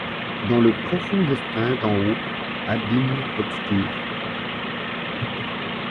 Dans le profond destin d'en haut, abîme obscur ;